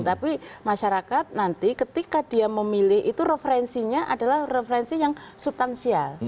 tapi masyarakat nanti ketika dia memilih itu referensinya adalah referensi yang subtansial